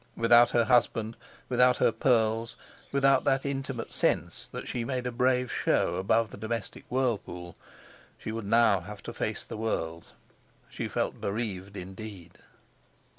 Without her husband, without her pearls, without that intimate sense that she made a brave show above the domestic whirlpool, she would now have to face the world. She felt bereaved indeed.